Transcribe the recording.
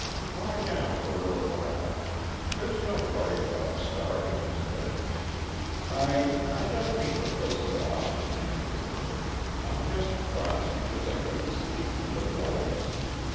Lie down for a little while. There's no hurry about starting, is there? I I don't hate the place so awfully, Manley. I'm just cross because I couldn't sleep for the noise.